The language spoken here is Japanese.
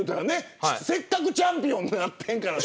せっかくチャンピオンになったんだから。